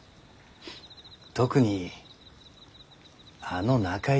特にあの仲居。